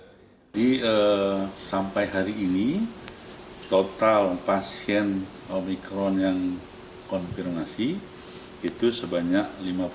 jadi sampai hari ini total pasien omikron yang konfirmasi itu sebanyak lima puluh empat